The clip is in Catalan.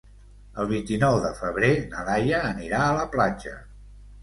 El vint-i-nou de febrer na Laia anirà a la platja.